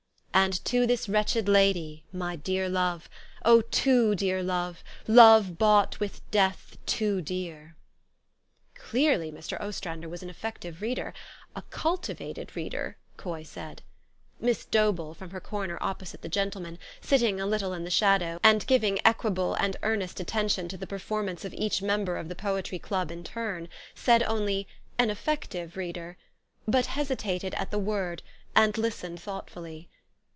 " And to this wretched lady, my deare love ; O too deare love, love bought with death too deare I " Clearly Mr. Ostrander was an effective reader ; "a cultivated reader," Coy said. Miss Dobell, from her corner opposite the gentleman, sitting a little in the shadow, and giving equable and earnest atten tion to the performance of each member of the Poetry Club, in turn, said only, " an effective reader," but hesitated at the word, and listened thoughtfully.